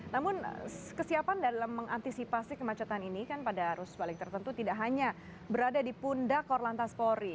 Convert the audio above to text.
namun kesiapan dalam mengantisipasi kemacetan ini kan pada arus balik tertentu tidak hanya berada di pundak korlantas polri